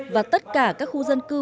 và tất cả các khu dân cư